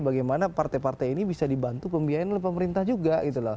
bagaimana partai partai ini bisa dibantu pembiayaan oleh pemerintah juga gitu loh